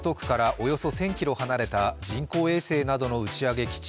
およそ１０００ｋｍ離れた人工衛星などの打ち上げ基地